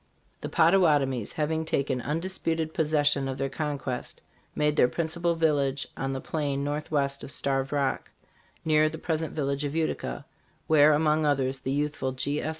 The Pottawatomies having taken undisputed possession of their con quest, made their principal village on the plain northwest of Starved Rock, near the present village of Utica, where, among others, the youthful G. S.